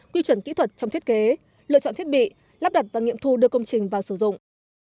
quy chuẩn kỹ thuật trong thiết kế lựa chọn thiết bị lắp đặt và nghiệm thu đưa công trình vào sử dụng